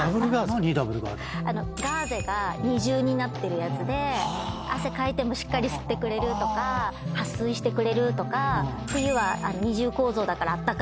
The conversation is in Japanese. ガーゼが２重になってるやつで汗かいてもしっかり吸ってくれるとかはっ水してくれるとか冬は２重構造だからあったかいとか。